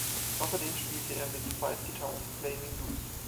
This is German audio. Außerdem spielte er mit "Five Guitars Play Mingus".